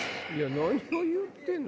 何を言うてんの？